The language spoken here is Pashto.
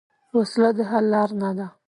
وسله د حل لار نه ده